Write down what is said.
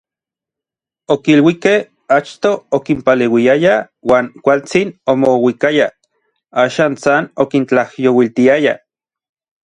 Okiluikej achto okinpaleuiaya uan kualtsin omouikayaj, Axan san okintlajyouiltiaya.